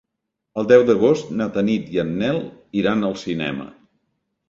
El deu d'agost na Tanit i en Nel iran al cinema.